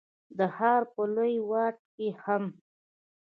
د ښار په لوی واټ کي هم،